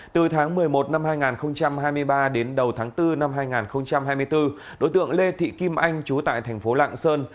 từ tháng một mươi một hai nghìn hai mươi ba đến đầu tháng bốn hai nghìn hai mươi bốn đối tượng lê thị kim anh chú tại tp lạng sơn